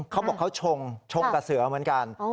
เขาบอกเขาชงชงกับเสือเหมือนกัน